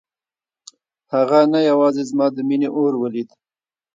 هغه نه یوازې زما د مينې اور ولید.